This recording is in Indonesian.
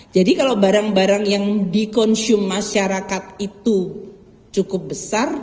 jadi kalau barang barang yang dikonsumsi masyarakat itu cukup besar